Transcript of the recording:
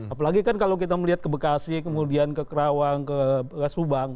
apalagi kan kalau kita melihat ke bekasi kemudian ke kerawang ke subang